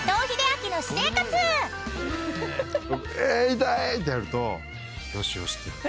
痛い！ってやるとよしよしって。